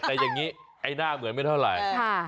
แต่อย่างนี้ไอ้หน้าเหมือนไม่เท่าไหร่